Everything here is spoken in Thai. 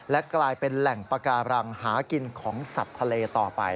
และกลายเป็นแหล่งปาการังหากินของสัตว์ทะเลต่อไป